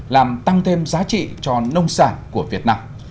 làm tăng thêm giá trị cho nông sản của việt nam